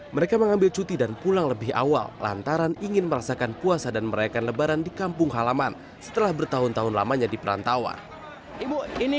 mereka mengambil cuti dan pulang lebih awal lantaran ingin merasakan puasa dan merayakan lebaran di kampung halaman setelah bertahun tahun lamanya di perantauan